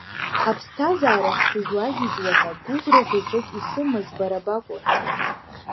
Аԥсҭазаарахь сызлагьежьуа ҳәа гәыӷра-заҵәык исымаз бара бакәын.